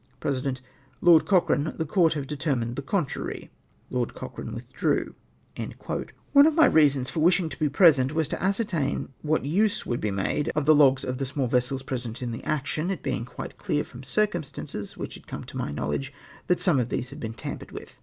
Peesident. — "Lord Cochrane, the Court have determined the contrary." ''(Lord Cochrane v:ithdre'iv''\) (Minutes, p. 105.) One of my reasons for wishing to be present was to ascertain what use would be made of the log;s of the small vessels present in the action ; it bemg quite clear from circumstances which had come to my knowledge that some of these had been tampered with.